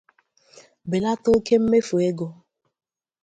bèlata oke mmefù ego